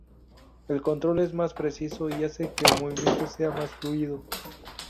El control es más preciso y hace que el movimiento sea más fluido.